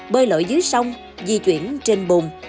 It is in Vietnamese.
bơi lội dưới sông di chuyển trên bùng